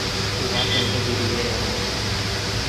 Уға тынғы бирергә ярамай.